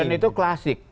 dan itu klasik